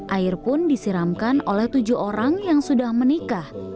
air pun disiramkan oleh tujuh orang yang sudah menikah